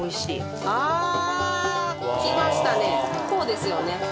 こうですよね。